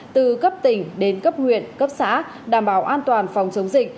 từ cấp tỉnh đến cấp huyện cấp xã đảm bảo an toàn phòng chống dịch